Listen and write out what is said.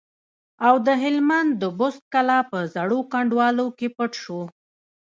او د هلمند د بست کلا په زړو کنډوالو کې پټ شو.